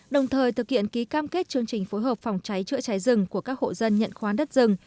đồng thời thực hiện ký cam kết chương trình phối hợp phòng cháy chữa cháy rừng của các hộ dân nhận khoán đất rừng